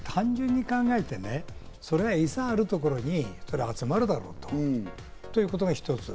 単純に考えて、餌があるところにそりゃ集まるだろうということが一つ。